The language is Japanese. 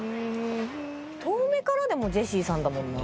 遠目からでもジェシーさんだもんな。